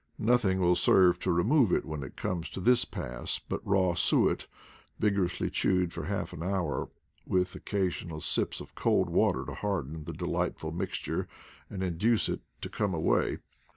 Nothing will serve to remove it when it comes to this pass but raw suet, vigor ously chewed for half an hour, with occasional sips of cold water to harden the delightful mix ture and induce it to come away.